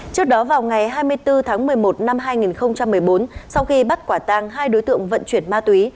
trước đó vào ngày hai mươi bốn tháng một mươi một năm hai nghìn một mươi bốn sau khi bắt quả tang hai đối tượng vận chuyển ma túy